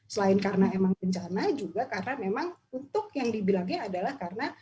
selain karena emang bencana juga karena memang untuk yang dibilangnya adalah karena